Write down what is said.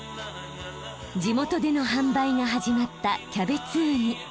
地元での販売が始まったキャベツウニ。